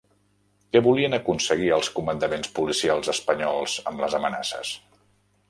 Què volien aconseguir els comandaments policials espanyols amb les amenaces?